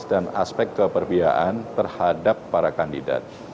dan aspek keperbiaan terhadap para kandidat